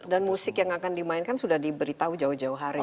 dan musik yang akan dimainkan sudah diberitahu jauh jauh hari kan